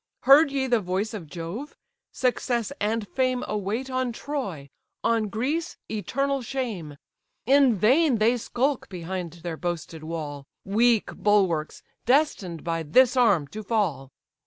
Heard ye the voice of Jove? Success and fame Await on Troy, on Greece eternal shame. In vain they skulk behind their boasted wall, Weak bulwarks; destined by this arm to fall.